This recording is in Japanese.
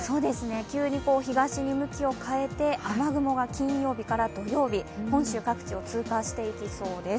急に東に向きを変えて雨雲が金曜日から土曜日本州各地を通過していきそうです。